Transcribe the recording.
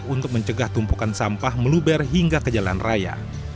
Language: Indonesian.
untuk mencegah tumpukan sampah meluber hingga ke jalan raya